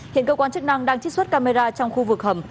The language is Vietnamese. hiện cơ quan chức năng đang trích xuất camera trong khu vực hầm